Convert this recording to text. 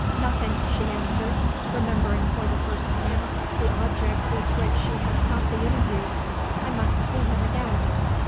"Nothing," she answered, remembering for the first time the object with which she had sought the interview; "I must see him again."